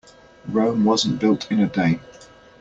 Rome wasn't built in a day.